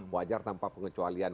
wajar tanpa pengecualian